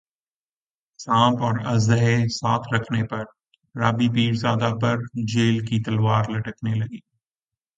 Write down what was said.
سانپ اور اژدھے ساتھ رکھنے پر رابی پیرزادہ پر جیل کی تلوار لٹکنے لگی